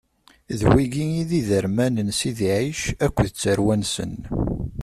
D wigi i d iderman n Sidi Ɛic akked tarwa-nsen.